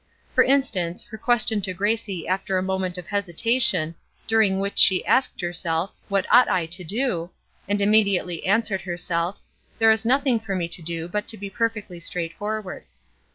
For instance, her question to Gracie after a moment of hesitation, during which she asked herself, "What ought I to do?" and immediately answered herself, "There is nothing for me to do, but to be perfectly straight forward."